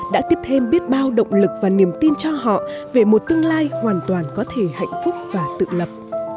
đã tiếp thêm biết bao động lực và niềm tin cho họ về một tương lai hoàn toàn có thể hạnh phúc và tự lập